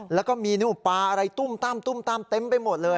แล้วก็มีนิ้วปลาอะไรตุ้มตั้มตุ้มตั้มเต็มไปหมดเลย